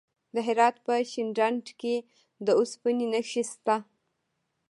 د هرات په شینډنډ کې د اوسپنې نښې شته.